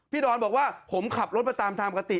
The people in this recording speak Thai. ดอนบอกว่าผมขับรถมาตามทางกติ